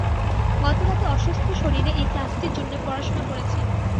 গত রাতে অসুস্থ শরীরে এই ক্লাসটির জন্যে পড়াশোনা করেছেন।